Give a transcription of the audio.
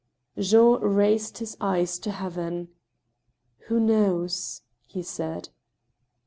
Jean raised his eyes to heaven. " Who knows ?" he said.